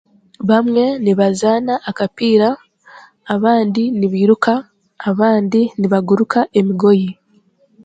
Bamwe nibazaana akapiira, abandi nibiiruka, abandi nibaguruka emigohi.